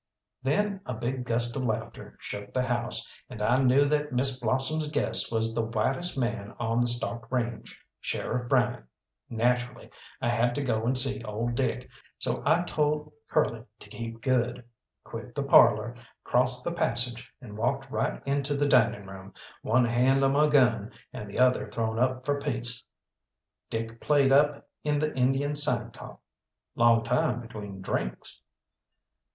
Then a big gust of laughter shook the house, and I knew that Miss Blossom's guest was the whitest man on the stock range, Sheriff Bryant. Naturally I had to go and see old Dick, so I told Curly to keep good, quit the parlour, crossed the passage, and walked right into the dining room, one hand on my gun and the other thrown up for peace. Dick played up in the Indian sign talk: "Long time between drinks."